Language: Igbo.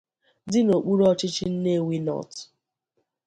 dị n'okpuru ọchịchị Nnewi North.